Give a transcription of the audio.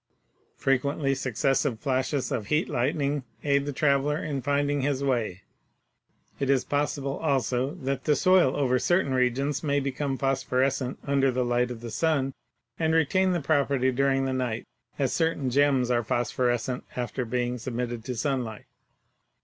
Frequently successive flashes of 'heat lightning' aid the traveler in finding his way. It is possible, also, that the soil over certain regions may become phosphorescent under the light of the sun and retain the property during the night, as certain gems are phosphorescent after being submitted to sunlight.